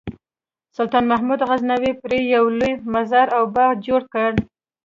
سلطان محمود غزنوي پرې یو لوی مزار او باغ جوړ کړ.